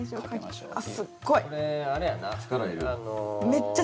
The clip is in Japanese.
すっごい！